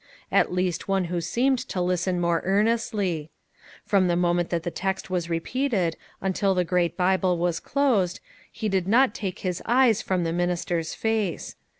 At least one who seemed to listen more earn estly; from the moment that the text was re peated until the great Bible was closed, he did not take his eyes from the minister's face.